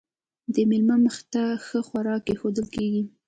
د میلمه مخې ته ښه خواړه ایښودل کیږي.